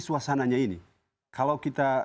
suasananya ini kalau kita